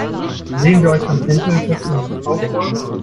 Sehen wir euch beim Tänzelfest in Kaufbeuren?